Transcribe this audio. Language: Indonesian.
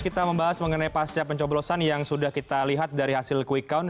kita membahas mengenai pasca pencoblosan yang sudah kita lihat dari hasil quick count